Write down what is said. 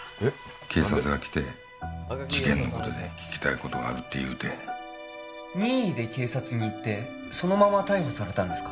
・警察が来て事件のことで聞きたいことがあるって言うて任意で警察に行ってそのまま逮捕されたんですか？